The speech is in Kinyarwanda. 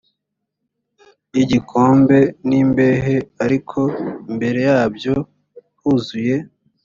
y igikombe n imbehe ariko imbere yabyo huzuye